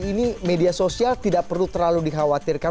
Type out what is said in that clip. ini media sosial tidak perlu terlalu dikhawatirkan